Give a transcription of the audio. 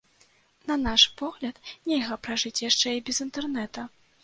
На наш погляд, нельга пражыць яшчэ і без інтэрнэта.